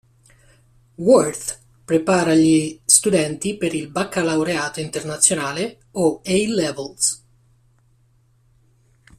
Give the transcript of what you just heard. Worth prepara gli studenti per il Baccalaureato internazionale o A-Levels.